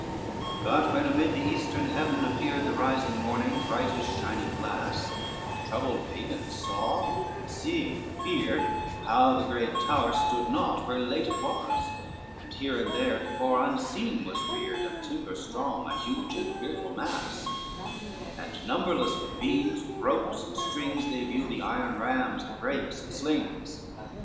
LXIV But when amid the eastern heaven appeared The rising morning bright as shining glass, The troubled Pagans saw, and seeing feared, How the great tower stood not where late it was, And here and there tofore unseen was reared Of timber strong a huge and fearful mass, And numberless with beams, with ropes and strings, They view the iron rams, the barks and slings.